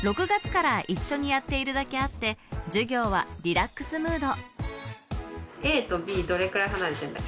６月から一緒にやっているだけあって、授業はリラックスムード。